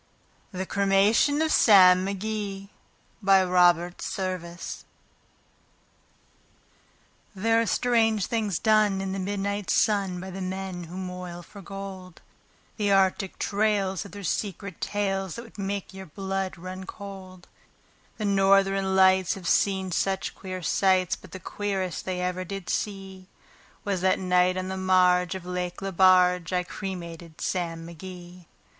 The Cremation of Sam Mcgee There are strange things done in the midnight sun By the men who moil for gold; The Arctic trails have their secret tales That would make your blood run cold; The Northern Lights have seen queer sights, But the queerest they ever did see Was that night on the marge of Lake Lebarge I cremated Sam McGee.